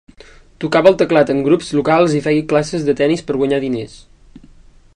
Tocava el teclat en grups locals i feia classes de tenis per guanyar diners.